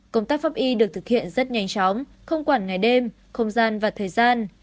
công tác pháp y được thực hiện rất nhanh chóng không quản ngày đêm không gian và thời gian